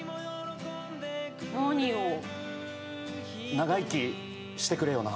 長生きしてくれよな。